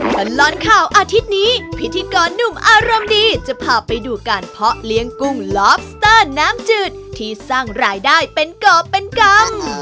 ตลอดข่าวอาทิตย์นี้พิธีกรหนุ่มอารมณ์ดีจะพาไปดูการเพาะเลี้ยงกุ้งลอบสเตอร์น้ำจืดที่สร้างรายได้เป็นกรอบเป็นกรรม